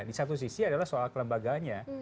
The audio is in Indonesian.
di satu sisi adalah soal kelembaganya